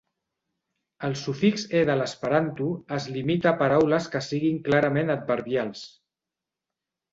El sufix "-e" de l'esperanto es limita a paraules que siguin clarament adverbials.